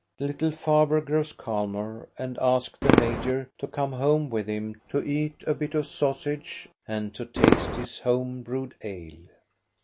Little Faber grows calmer and asks the major to come home with him to eat a bit of sausage and to taste his home brewed ale.